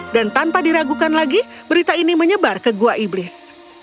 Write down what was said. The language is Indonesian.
dan tanpa diragukan lagi berita ini menyebar ke gua iblis